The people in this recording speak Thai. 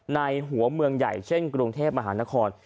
ในหัวเมืองใหญ่เช่นกรุงเทพมหานคร